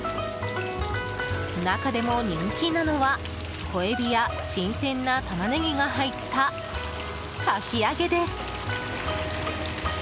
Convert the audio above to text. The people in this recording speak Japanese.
中でも人気なのは小エビや新鮮なタマネギが入ったかき揚げです。